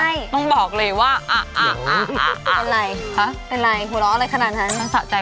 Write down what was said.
อยากรู้ว่าภายเป็นไรที่นี่